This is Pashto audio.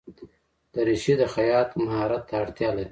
دریشي د خیاط ماهرت ته اړتیا لري.